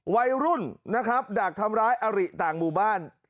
วัยรุ่นนะครับดักทำร้ายอริต่างหมู่บ้าน